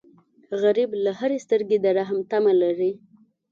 غریب له هرې سترګې د رحم تمه لري